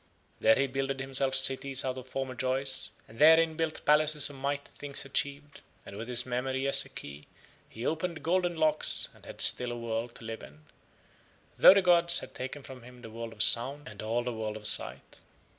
There he builded himself cities out of former joys, and therein built palaces of mighty things achieved, and with his memory as a key he opened golden locks and had still a world to live in, though the gods had taken from him the world of sound and all the world of sight.